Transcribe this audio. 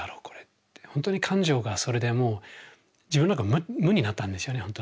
これってほんとに感情がそれでもう自分無になったんですよね